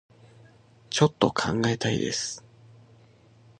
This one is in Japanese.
ちょっと考えたいです